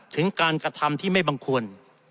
ถึงการกระทำที่ไม่บังควร